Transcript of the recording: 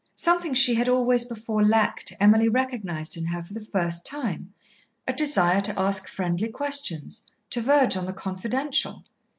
Something she had always before lacked Emily recognised in her for the first time, a desire to ask friendly questions, to verge on the confidential.